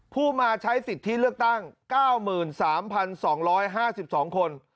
ผู้มาใช้สิทธิเลือกตั้ง๙๓๒๕๒คน